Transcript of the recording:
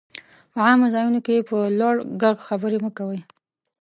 په عامه ځايونو کي په لوړ ږغ خبري مه کوئ!